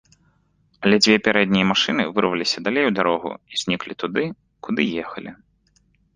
Але дзве пярэднія машыны вырваліся далей у дарогу і зніклі туды, куды ехалі.